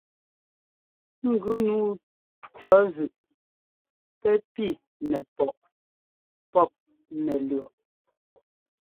Ŋgʉ nǔu cɔ̌ zʉꞌ pɛ́ pi nɛpɔꞌ pɔ́p nɛlʉ̈ɔꞌ.